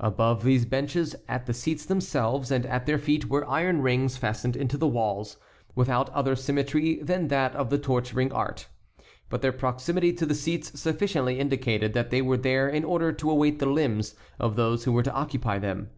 Above these benches, at the seats themselves, and at their feet, were iron rings fastened into the walls, without other symmetry than that of the torturing art. But their proximity to the seats sufficiently indicated that they were there in order to await the limbs of those who were to occupy them.